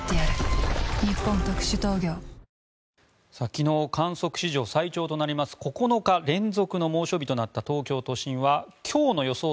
昨日観測史上最長となります９日連続の猛暑日となった東京都心は今日の予想